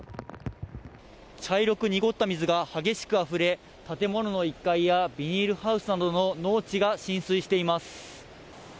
茶色く濁った水が激しくあふれ、建物の１階やビニールハウスなどの農地が浸水しています。